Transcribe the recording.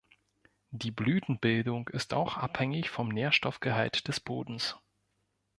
Die Blütenbildung ist auch abhängig vom Nährstoffgehalt des Bodens.